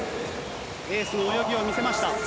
エースの泳ぎを見せました。